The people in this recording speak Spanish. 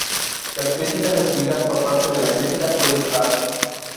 Las críticas recibidas por parte de la crítica fue dispar.